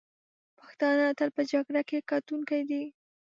پښتانه تل په جګړه کې ګټونکي دي.